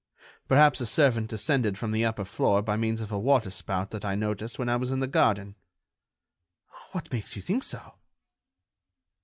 Perhaps a servant descended from the upper floor by means of a waterspout that I noticed when I was in the garden." "What makes you think so?"